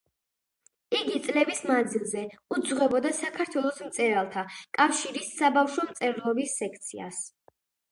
იგი წლების მანძილზე უძღვებოდა საქართველოს მწერალთა კავშირის საბავშვო მწერლობის სექციას.